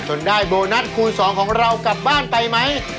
ได้โบนัสคูณสองของเรากลับบ้านไปไหม